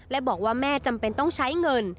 และบอกว่าแม่จำเป็นต้องใช้เงิน